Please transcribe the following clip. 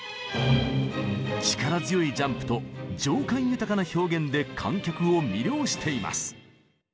力強いジャンプと情感豊かな表現で観客を魅了しています。